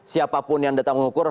siapapun yang datang mengukur